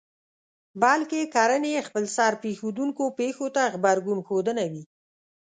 بلکې کړنې يې خپلسر پېښېدونکو پېښو ته غبرګون ښودنه وي.